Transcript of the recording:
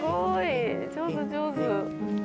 上手上手。